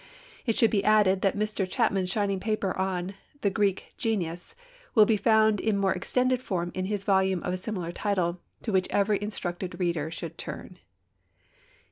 It should be added that Mr. Chapman's shining paper on 'The Greek Genius' will be found in more extended form in his volume of similar title, to which every instructed reader should turn.